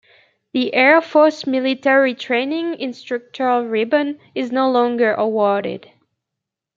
The Air Force Military Training Instructor Ribbon is no longer awarded.